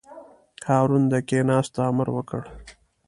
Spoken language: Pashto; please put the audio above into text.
هارون د کېناستو امر وکړ.